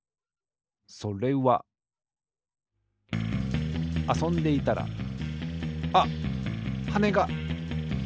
それはあそんでいたらあっはねが！